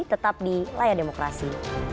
tetap di layar demokrasi